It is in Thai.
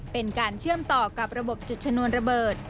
เป็นการเชื่อมต่อกับระบบจุดชนวนระเบิด